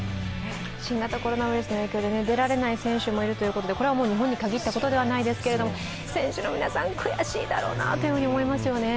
新型コロナウイルスの影響で出られない選手もいるということでこれは日本に限ったことではないですけども、選手の皆さん、悔しいだろうなと思いますよね。